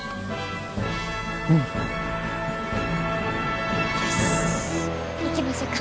うん！よし行きましょか。